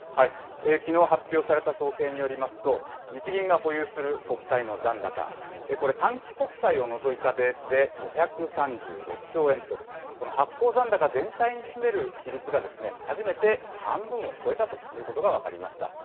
きのう発表された統計によりますと、日銀が保有する国債の残高、これ、短期国債を除いたベースで５３６兆円と、この発行残高全体に占める比率が初めて半分を超えたということが分かりました。